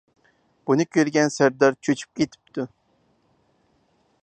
بۇنى كۆرگەن سەردار چۆچۈپ كېتىپتۇ.